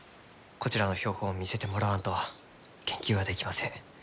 こちらの標本を見せてもらわんと研究はできません。